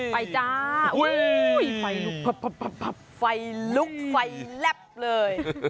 ไปจ้าไฟลุกไฟลุกไฟแล็บเลย